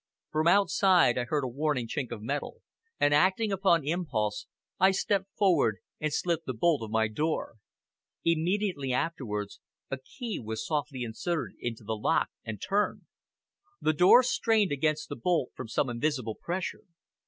From outside I heard a warning chink of metal, and, acting upon impulse, I stepped forward and slipped the bolt of my door. Immediately afterwards a key was softly inserted in the lock and turned. The door strained against the bolt from some invisible pressure.